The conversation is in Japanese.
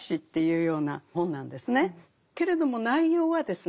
けれども内容はですね